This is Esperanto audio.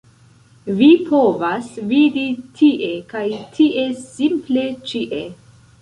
Vi povas vidi tie kaj tie - simple ĉie